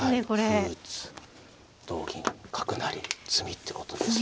歩打つ同銀角成り詰みってことですね。